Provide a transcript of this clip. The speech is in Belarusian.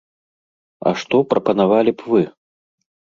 А што прапанавалі б вы?